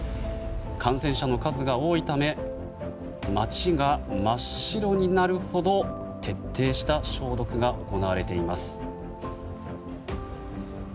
感染者の数が多いため街が真っ白になるほど徹底した消毒が行われています。